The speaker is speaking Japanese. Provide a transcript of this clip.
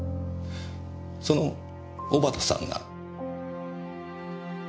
その小幡さんが。